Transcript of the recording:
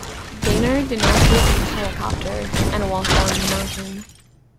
Gaynor did not get in the helicopter, and walked down the mountain.